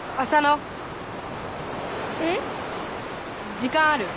時間ある？